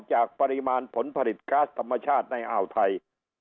จากปริมาณผลผลิตก๊าซธรรมชาติในอ่าวไทย